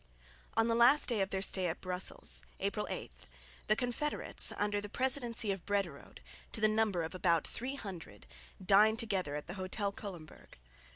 On the last day of their stay at Brussels, April 8, the confederates under the presidency of Brederode, to the number of about three hundred, dined together at the Hotel Culemburg.